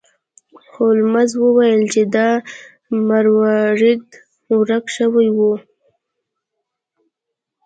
هولمز وویل چې دا مروارید ورک شوی و.